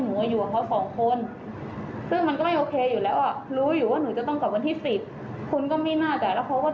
ตรงนี้ที่เฟรนก็ต้องทำร้ายลูกเพื่อต้องการเที่ยวเขามาไหนจากคุณ